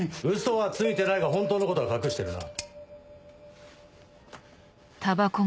ウソはついてないが本当のことは隠してるな。